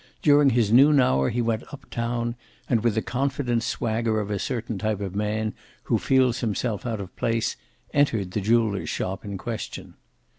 During his noon hour he went up town and, with the confident swagger of a certain type of man who feels himself out of place, entered the jeweler's shop in question.